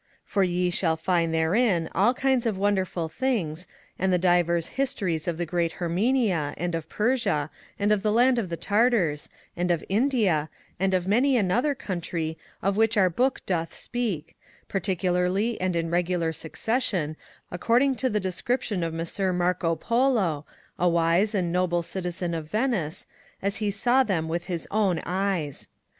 For ye shall find therein all kinds of wonderful things, and the divers histories of the Great Hermenia, and of Persia, and of the Land of the Tartars^ and of India, and of many another country of which our Book doth speak, particularly and in regular succession, according to the description of Messer Marco Polo, a wise and noble citizen of Venice, as he saw them with his own eyes.